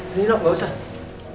eh nino gak usah